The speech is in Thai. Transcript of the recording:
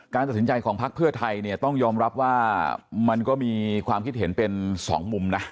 ตัดสินใจของพักเพื่อไทยเนี่ยต้องยอมรับว่ามันก็มีความคิดเห็นเป็นสองมุมนะ